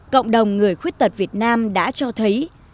cộng đồng người khuyết tật việt nam đã cho thấy